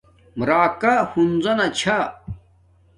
راکا ہنزہ نا چھا